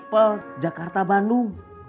supir trepel jakarta bandung